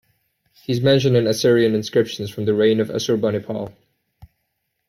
He is mentioned in Assyrian inscriptions from the reign of Assurbanipal.